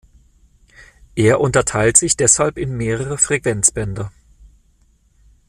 Er unterteilt sich deshalb in mehrere Frequenzbänder.